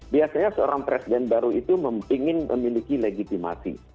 biasanya seorang presiden baru itu ingin memiliki legitimasi